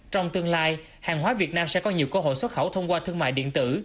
trong tương lai hàng hóa việt nam sẽ có nhiều cơ hội xuất khẩu thông qua thương mại điện tử